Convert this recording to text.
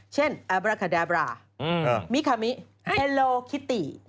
เช่นแอบราคาดาบรามิคามิเอโลคิตติ